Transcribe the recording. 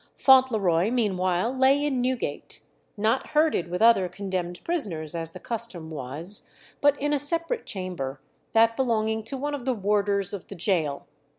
Fauntleroy meanwhile lay in Newgate, not herded with other condemned prisoners, as the custom was, but in a separate chamber, that belonging to one of the warders of the gaol.